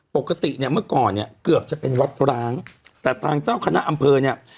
ปกติเนี่ยเมื่อก่อนเนี่ยเกือบจะเป็นวัดร้างแต่ทางเจ้าคณะอำเภอเนี่ย